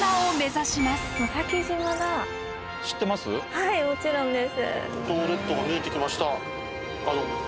はいもちろんです。